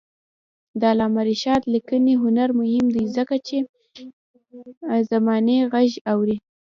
د علامه رشاد لیکنی هنر مهم دی ځکه چې زمانې غږ اوري.